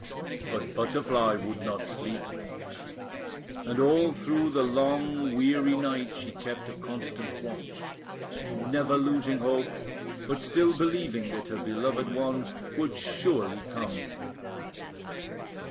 But Butterfly would not sleep; and all through the long weary night, she kept a constant watch, never losing hope, but still believing that her beloved one would surely come.